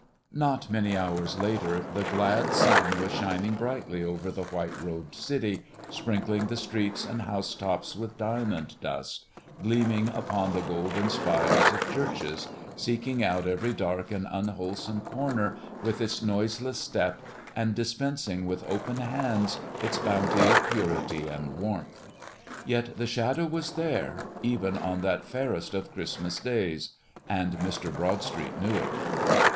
Not many hours later, the glad sun was shining brightly over the white robed city, sprinkling the streets and housetops with diamond dust, gleaming upon the golden spires of churches, seeking out every dark and unwholesome corner with its noiseless step, and dispensing with open hand its bounty of purity and warmth. Yet the shadow was there, even on that fairest of Christmas Days, and Mr. Broadstreet knew it.